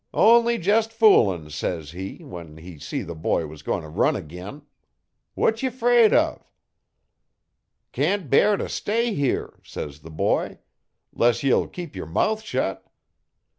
'"Only jes' foolin," says he, when he see the boy was goin' t' run ag'in. "What ye 'fraid uv?" '"Can't bear t' stay here," says the boy, "'less ye'll keep yer mouth shet."